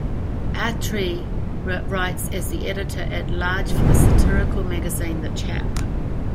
Attree writes as the editor at large for the satirical magazine "The Chap".